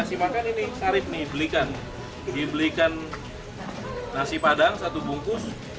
ini zarif nih dibelikan nasi padang satu bungkus